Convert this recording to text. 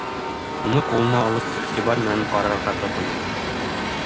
Уны ҡулына алып, иғтибар менән ҡарарға тотона.